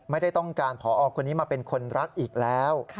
ไม่ได้ต้องการผอคนนี้มาเป็นคนรักอีกแล้ว